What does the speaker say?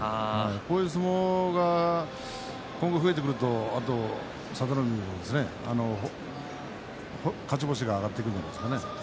こういう相撲が今後増えてくると佐田の海も勝ち星が挙がってくるんじゃないですかね。